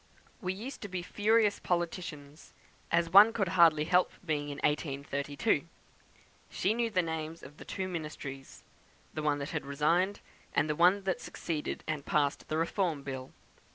"We used to be furious politicians, as one could hardly help being in 1832. She knew the names of the two ministries; the one that resigned, and the one that succeeded and passed the Reform Bill.